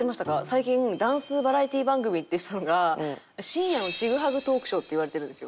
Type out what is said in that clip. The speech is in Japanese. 最近「ダンスバラエティー番組」って言ってたのが「深夜のチグハグトークショー」って言われてるんですよ。